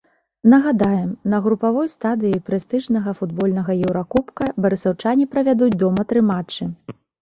Нагадаем, на групавой стадыі прэстыжнага футбольнага еўракубка барысаўчане правядуць дома тры матчы.